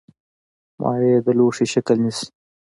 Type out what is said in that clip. مایع د لوښي شکل نیسي.